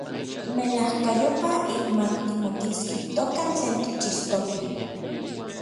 Melajkayopaj ik ma timokitskijtokan tlen tikchixtokej.